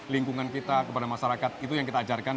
lingkungan kita kepada masyarakat itu yang kita ajarkan